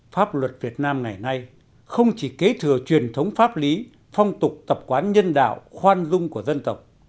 pháp luật việt nam ngày nay không chỉ kế thừa truyền thống pháp lý phong tục tập quán nhân đạo khoan dung của dân tộc